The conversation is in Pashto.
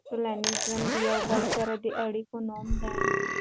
ټولنیز ژوند د یو بل سره د اړیکو نوم دی.